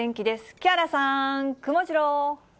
木原さん、くもジロー。